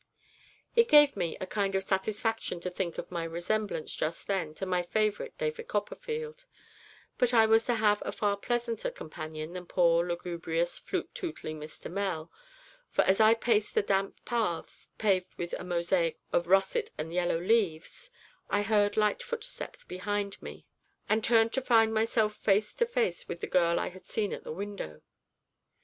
It gave me a kind of satisfaction to think of my resemblance, just then, to my favourite David Copperfield, but I was to have a far pleasanter companion than poor lugubrious, flute tootling Mr. Mell, for as I paced the damp paths paved with a mosaic of russet and yellow leaves, I heard light footsteps behind me, and turned to find myself face to face with the girl I had seen at the window.